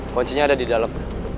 koncinya ada di dalam